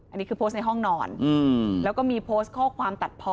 อันนี้คือโพสต์ในห้องนอนแล้วก็มีโพสต์ข้อความตัดพอ